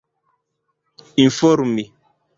informi